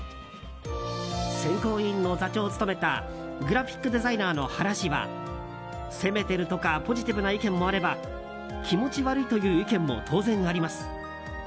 選考委員の座長を務めたグラフィックデザイナーの原氏は攻めてるとかポジティブな意見もあれば気持ち悪いという意見も当然あります。